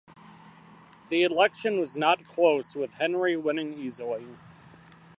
The election was not close with Henry winning easily.